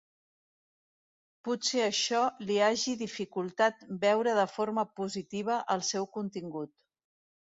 Potser això li hagi dificultat veure de forma positiva el seu contingut.